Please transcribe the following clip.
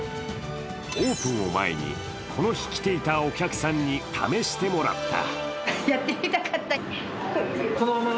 オープンを前にこの日、来ていたお客さんに試してもらった。